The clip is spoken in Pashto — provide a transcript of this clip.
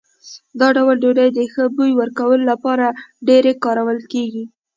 دا ډول ډوډۍ د ښه بوی ورکولو لپاره ډېرې کارول کېږي.